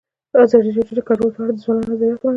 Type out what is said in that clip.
ازادي راډیو د کډوال په اړه د ځوانانو نظریات وړاندې کړي.